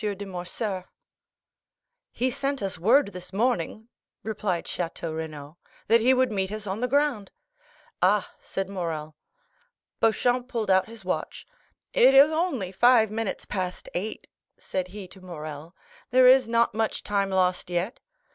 de Morcerf." "He sent us word this morning," replied Château Renaud, "that he would meet us on the ground." "Ah," said Morrel. Beauchamp pulled out his watch. "It is only five minutes past eight," said he to Morrel; "there is not much time lost yet."